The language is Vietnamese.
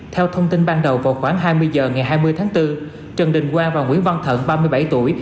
theo thông tin ban đầu vào khoảng hai mươi h ngày hai mươi tháng bốn trần đình quang và nguyễn văn thận ba mươi bảy tuổi